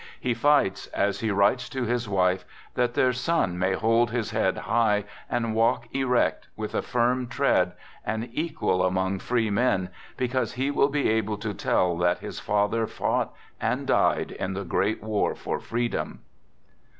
He fights, as he writes to his wife, that their son may hold his head high, and walk erect, with a firm tread, an equal among free men, because he will be able to tell that his father fought (and died) in the great war for freedom.